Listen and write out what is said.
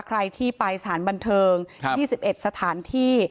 ใครที่ไปสถานบันเทิง๒๑สถานที่